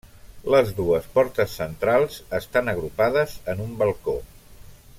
Les dues portes centrals estan agrupades en un balcó.